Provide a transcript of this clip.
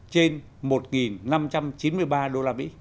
trên một năm trăm chín mươi ba usd